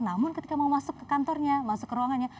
namun ketika mau masuk ke kantornya masuk ke ruangannya